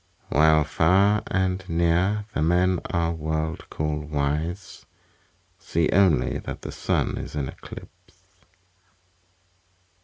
While far and near the men our world call wise See only that the Sun is in eclipse.